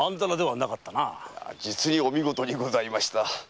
実にお見事にございました。